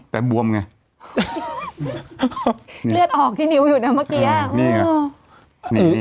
อ๋อแต่บวมไงเลือดออกที่นิ้วอยู่นะเมื่อกี้อ้าวนี่อ่ะนี่นี่